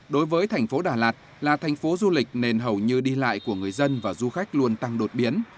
đối với thành phố đà lạt là thành phố du lịch nên hầu như đi lại của người dân và du khách luôn tăng đột biến